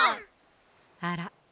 あら？